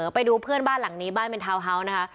ไปดูเพื่อนบ้านหลังนี้บ้านเป็นทาวน์เฮาส์นะคะ